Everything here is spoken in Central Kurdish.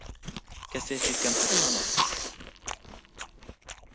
کەسێکی کەم تەرخەمە